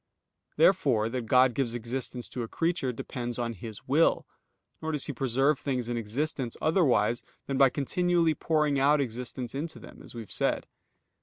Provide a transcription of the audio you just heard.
Therefore that God gives existence to a creature depends on His will; nor does He preserve things in existence otherwise than by continually pouring out existence into them, as we have said.